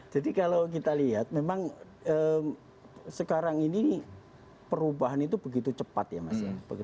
jadi kalau kita lihat memang sekarang ini perubahan itu begitu cepat ya mas